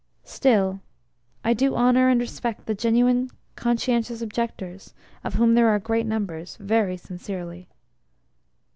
Still, I do honour and respect the genuine conscientious objectors (of whom there are great numbers) very sincerely.